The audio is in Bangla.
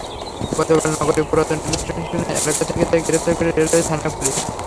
গতকাল নগরের পুরাতন রেলস্টেশন এলাকা থেকে তাঁকে গ্রেপ্তার করে রেলওয়ে থানার পুলিশ।